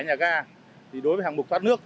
nhà gà đối với hạng mục thoát nước